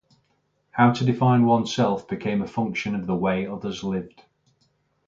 How to define one's self became a function of the way others lived.